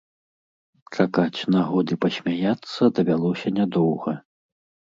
Чакаць нагоды пасмяяцца давялося нядоўга.